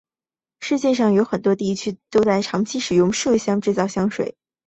世界上很多地区在历史上都长期使用麝香制造香水。